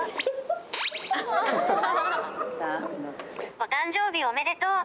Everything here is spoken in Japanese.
お誕生日おめでとう。